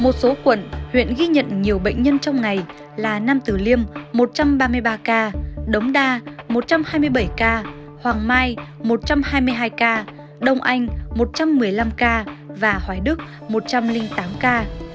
một số quận huyện ghi nhận nhiều bệnh nhân trong ngày là nam tử liêm một trăm ba mươi ba ca đống đa một trăm hai mươi bảy ca hoàng mai một trăm hai mươi hai ca đông anh một trăm một mươi năm ca và hoài đức một trăm linh tám ca